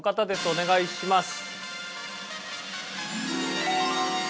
お願いします。